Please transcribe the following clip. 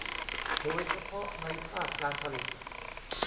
โดยเฉพาะในภาคการผลิต